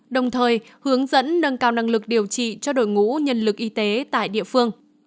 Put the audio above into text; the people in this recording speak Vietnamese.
đồng thời hướng dẫn nâng cao năng lực điều trị cho đội ngũ nhân lực y tế tại địa phương